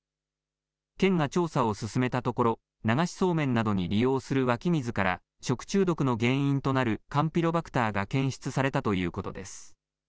県が調査を進めたところ流しそうめんなどに利用する湧き水から食中毒の原因となるカンピロバクターが検出されたということです。